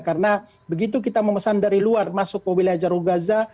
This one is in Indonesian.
karena begitu kita memesan dari luar masuk ke wilayah jarogaza